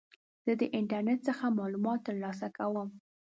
زه د انټرنیټ څخه معلومات ترلاسه کوم.